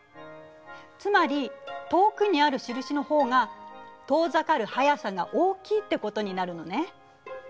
つまり遠くにある印の方が遠ざかる速さが大きいってことになるのね。